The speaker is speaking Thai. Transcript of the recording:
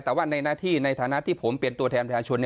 แต่ว่าในหน้าที่ในฐานะที่ผมเป็นตัวแทนประชาชน